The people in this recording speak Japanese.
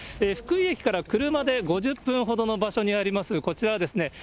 福井駅から車で５０分ほどの場所にあります、こちらはですね、